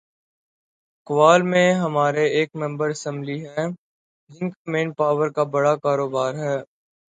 چکوال میں ہمارے ایک ممبر اسمبلی ہیں‘ جن کا مین پاور کا بڑا کاروبار ہے۔